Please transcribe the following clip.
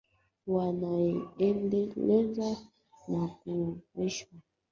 Wanaendeleza na kuboresha hisa za msingi kupitia biashara na kubadilisha bidhaa